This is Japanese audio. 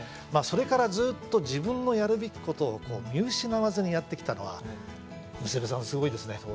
まあそれからずっと自分のやるべきことを見失わずにやってきたのは娘さんすごいですね。